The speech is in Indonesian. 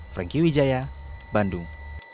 frankie wijaya bandung